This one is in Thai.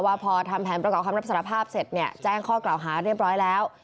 ว่าพอทำแผนประกอบคำรับสารภาพเสร็จเนี่ยแจ้งข้อกล่าวหาเรียบร้อยแล้ว